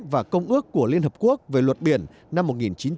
và công ước của liên hợp quốc về luật biển năm một nghìn chín trăm tám mươi hai